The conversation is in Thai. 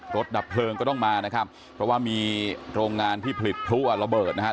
ดับเพลิงก็ต้องมานะครับเพราะว่ามีโรงงานที่ผลิตพลุระเบิดนะฮะ